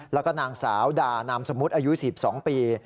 แล้วก็นางสาวดานามสมมุติอายุ๑๒ปี